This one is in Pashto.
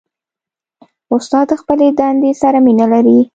استاد د خپلې دندې سره مینه لري.